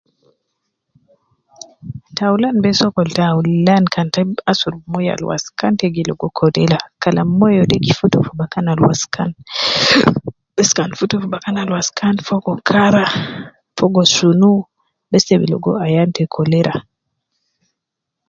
Ta aulan de sokol ta aulan kan te asurub moyo al waskan te gi ligo Cholera kalam moyo de gi futu bakan al waskan bes kan futu bakajn al waskan fogo kara fogo sunu bes te bi ligo fogo ayan ta Cholera.